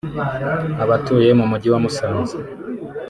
Abatuye mu mujyi wa Musanze